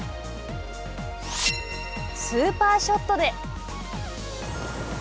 スーパーショットで！